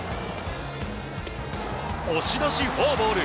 押し出しフォアボール。